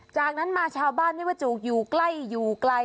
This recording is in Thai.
จากนั้นมาชาวบ้านไม่ว่าจูกอยู่ใกล้อยู่ไกล